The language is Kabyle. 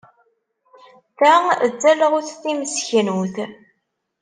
Ta d talɣut timseknut.